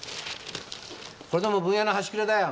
これでもブン屋の端くれだよ。